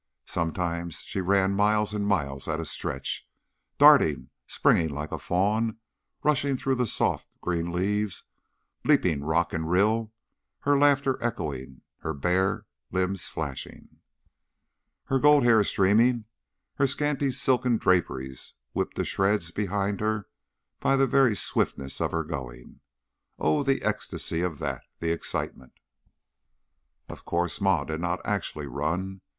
Sometimes she ran miles and miles at a stretch, darting, springing like a fawn, rushing through the soft, green leaves, leaping rock and rill, her laughter echoing, her bare limbs flashing, her gold hair streaming, her scanty silken draperies whipped to shreds behind her by the very swiftness of her going. Oh, the ecstasy of that! The excitement! Of course Ma did not actually run.